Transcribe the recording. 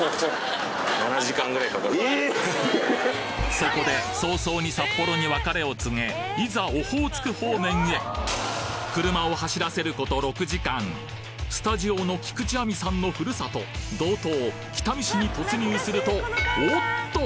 そこで早々に札幌に別れを告げいざオホーツク方面へ車を走らせること６時間スタジオの菊地亜美さんのふるさと道東北見市に突入するとおっと！？